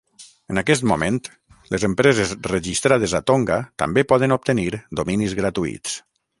En aquest moment, les empreses registrades a Tonga també poden obtenir dominis gratuïts.